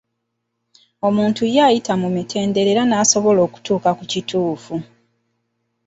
Omuntu ye ayita mu mitendera era n'asobola okutuuka ku kituufu.